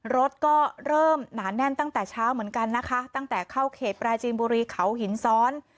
รถก็เริ่มหนาแน่นตั้งแต่เช้าเหมือนกันนะคะตั้งแต่เข้าเขตปราจีนบุรีเขาหินซ้อน